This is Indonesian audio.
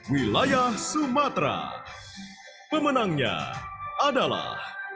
wilayah sumatera pemenangnya adalah